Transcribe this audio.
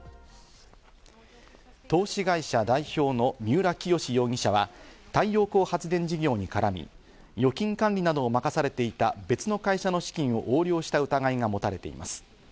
投資会社代表の三浦清志容疑者は太陽光発電事業に絡み、預金管理などを任されていた別の会社の資金を横領した疑いが持たれています。